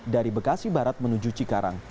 dari bekasi barat menuju cikarang